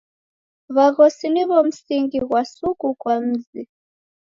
W'aghosi niw'o msingi ghwa suku kwa mzi.